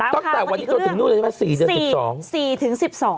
ตั้งแต่วันนี้จนถึงนู่นเลยใช่ไหม๔เดือน๑๒๔ถึง๑๒